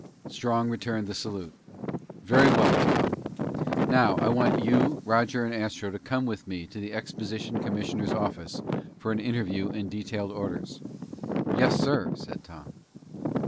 Strong returned the salute. "Very well, Tom. Now, I want you, Roger, and Astro to come with me to the exposition commissioner's office for an interview and detailed orders." "Yes, sir," said Tom.